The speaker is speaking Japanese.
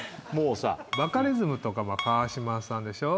バカリズムとか川島さんでしょ。